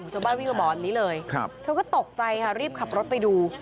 ชาวบ้านวิ่งมาบอกแบบนี้เลยเธอก็ตกใจค่ะรีบขับรถไปดู